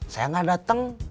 saya gak dateng